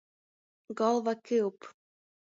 Golva kiup.